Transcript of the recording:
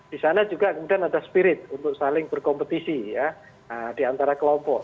di sana juga kemudian ada spirit untuk saling berkompetisi ya di antara kelompok